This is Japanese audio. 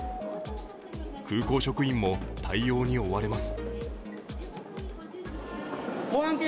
空港職員も対応に追われます。